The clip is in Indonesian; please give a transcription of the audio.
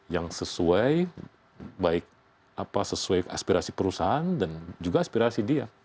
yang sesuai baik sesuai aspirasi perusahaan dan juga aspirasi dia